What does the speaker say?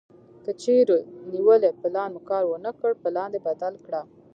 کچېرې نیولی پلان مو کار ونه کړ پلان دې بدل کړه.